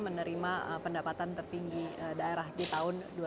menerima pendapatan tertinggi daerah di tahun dua ribu dua puluh